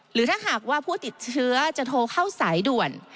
หรือถ้าหากว่าผู้ติดเชื้อจะโทรเข้าสายด่วน